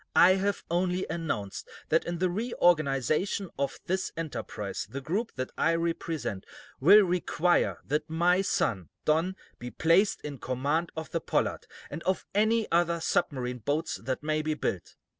"I have only announced that in the reorganization of this enterprise the group that I represent will require that my son, Don, be placed in command of the 'Pollard,' and of any other submarine boats that may be built.